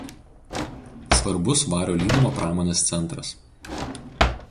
Svarbus vario lydymo pramonės centras.